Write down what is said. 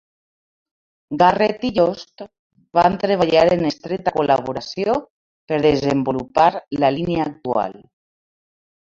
Garrett i Yost van treballar en estreta col·laboració per desenvolupar la línia actual.